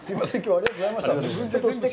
ありがとうございます。